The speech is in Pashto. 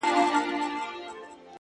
چي بيا ترې ځان را خلاصولای نسم-